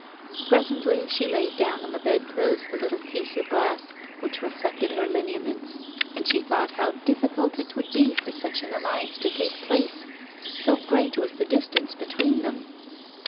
Presently she laid down on the bedclothes the little piece of glass which reflected her lineaments, and she thought how difficult it would be for such an alliance to take place, so great was the distance between them.